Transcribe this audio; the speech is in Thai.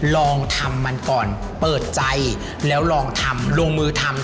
ลองทำมันก่อนเปิดใจแล้วลองทำลงมือทำ